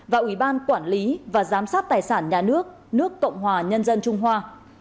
và ủy ban quản lý và giám sát tài sản nhà nước nước cộng hòa nhân dân trung hoa